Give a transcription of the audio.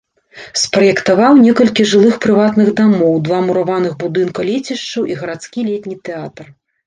Спраектаваў некалькі жылых прыватных дамоў, два мураваных будынка лецішчаў і гарадскі летні тэатр.